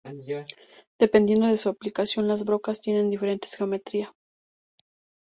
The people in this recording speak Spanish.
Dependiendo de su aplicación, las brocas tienen diferente geometría.